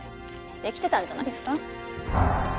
デキてたんじゃないですか？